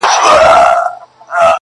راښكاره سوې سرې لمبې ياغي اورونه٫